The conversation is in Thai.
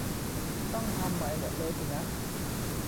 ต้องทำใหม่หมดเลยสินะ